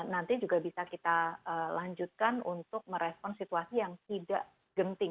nanti juga bisa kita lanjutkan untuk merespon situasi yang tidak genting